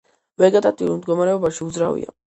ვეგეტატიურ მდგომარეობაში უძრავია.